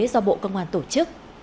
do bộ công an tổ chức